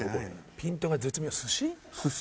ピントが絶妙寿司？